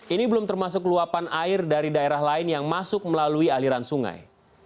ini belum termasuk luapan air dari daerah lain yang masuk melalui aliran sungai